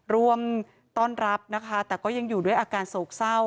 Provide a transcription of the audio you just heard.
ร่วมต้อนรับนะคะแต่ก็ยังอยู่ด้วยอาการโศกเศร้า